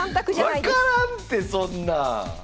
分からんてそんな！